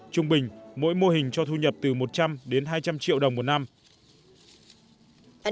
trung bình mỗi mô hình cho thu nhập từ một trăm linh đến hai trăm linh triệu đồng một năm